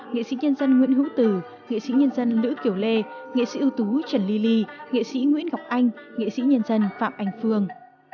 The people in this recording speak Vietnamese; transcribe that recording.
nghệ sĩ nhân dân nguyễn hữu tử nghệ sĩ nhân dân lữ kiểu lê nghệ sĩ ưu tú trần ly ly ly nghệ sĩ nguyễn ngọc anh nghệ sĩ nhân dân phạm anh phương